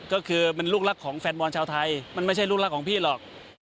ก็คือเป็นลูกรักของแฟนบอลชาวไทยมันไม่ใช่ลูกรักของพี่หรอก